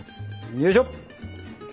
よいしょ。